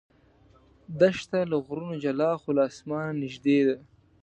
دښته له غرونو جلا خو له اسمانه نږدې ده.